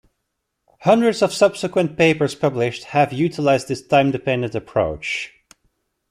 Hundreds of subsequent papers published have utilized this time-dependent approach.